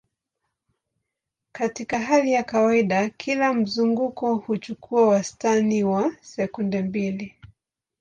Katika hali ya kawaida, kila mzunguko huchukua wastani wa sekunde mbili.